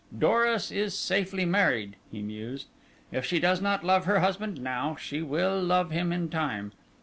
Doris is safely married," he mused; "if she does not love her husband now, she will love him in time.